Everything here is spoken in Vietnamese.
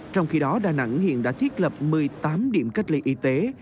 trong khi đó đà nẵng hiện đã thiết lập một mươi tám điểm cách ly y tế